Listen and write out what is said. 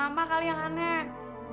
mama kali yang aneh